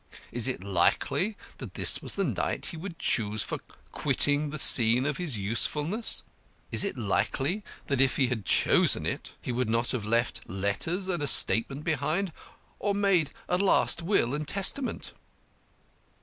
Is it likely that this was the night he would choose for quitting the scene of his usefulness? Is it likely that if he had chosen it, he would not have left letters and a statement behind, or made a last will and testament?